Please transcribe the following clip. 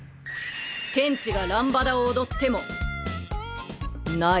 天地がランバダを踊ってもない。